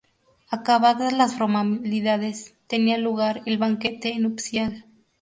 Acabadas las formalidades, tenía lugar el banquete nupcial.